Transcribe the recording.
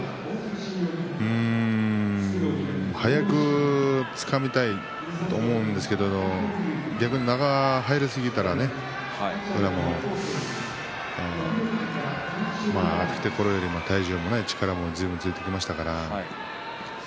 うーん早くつかみたいと思うんですけど逆に中に入りすぎたらひところよりも体重も力もついてきましたから。